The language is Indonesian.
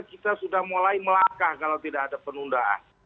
dua ribu dua puluh tiga kita sudah mulai melakar kalau tidak ada penundaan